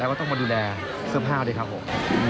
แล้วก็ต้องมาดูแลเสื้อผ้าด้วยครับผม